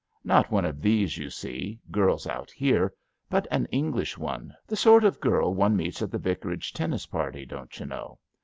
Not one of these you see, girls out here, but an English one — ^the sort of girl one meets at the Vicarage tennis party, don't you know.